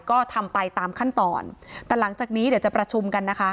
ก็ทำไปตามขั้นตอนแต่หลังจากนี้เดี๋ยวจะประชุมกันนะคะ